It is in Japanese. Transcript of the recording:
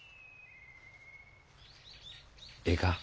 ええか。